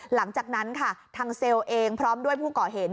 หลังจากนั้นค่ะทางเซลล์เองพร้อมด้วยผู้ก่อเหตุ